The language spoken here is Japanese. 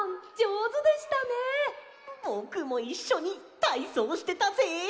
ぼくもいっしょにたいそうしてたぜ！